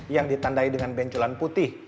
yang ditandai dengan benculan putih